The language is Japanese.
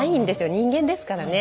人間ですからね。